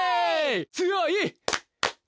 強い！